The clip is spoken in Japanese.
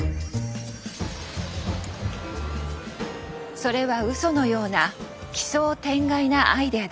それはうそのような奇想天外なアイデアでした。